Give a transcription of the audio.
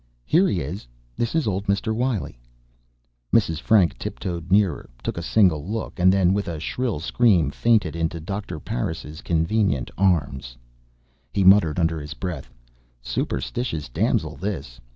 "Here he is. This is old Mr. Wiley." Mrs. Frank tiptoed nearer, took a single look, then with a shrill scream fainted into Doctor Parris's convenient arms. He muttered under his breath: "Superstitious damsel, this."